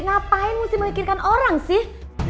ngapain mesti memikirkan orang sih